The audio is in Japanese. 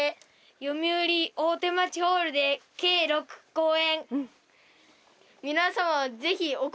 よみうり大手町ホールで計６公演。